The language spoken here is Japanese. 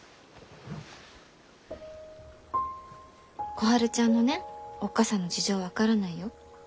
小春ちゃんのねおっ母さんの事情分からないよ。